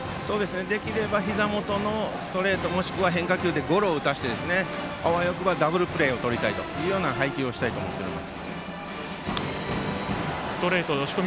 できればひざ元のストレートもしくは変化球でゴロを打たせて、あわよくばダブルプレーをとりたいという配球をしたいと思っています。